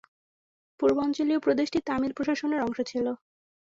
পূর্বাঞ্চলীয় প্রদেশটি তামিল প্রশাসনের অংশ ছিল।